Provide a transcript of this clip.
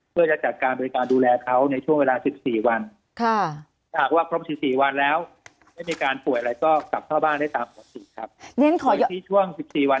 เพื่อทำดูแลในเวลา๑๔วัน